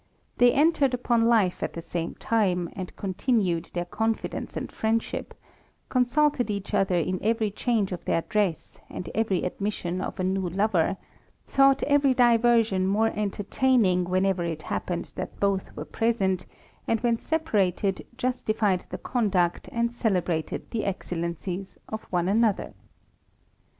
They entered upon life at the same time, and continued their confidence and friendship \ consulted each other in every change of their dress, and every admission of a new lover; thought every diversion more entertaining whenever it happened that both were present, and when separated justified the conduct, and celebrated the excellencies, of one another.